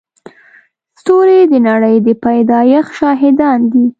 ستوري د نړۍ د پيدایښت شاهدان دي.